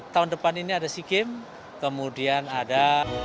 tahun depan ini ada sea games kemudian ada